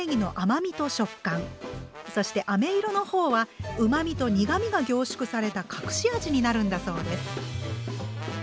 そしてあめ色の方はうまみと苦みが凝縮された隠し味になるんだそうです。